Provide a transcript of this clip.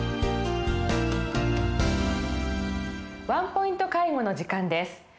「ワンポイント介護」の時間です。